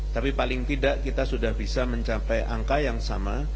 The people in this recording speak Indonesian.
tapi paling tidak kita sudah bisa mencapai angka yang sama